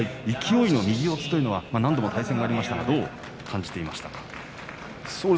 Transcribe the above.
勢の右四つというのは何度も対戦がありましたがどう感じていましたか。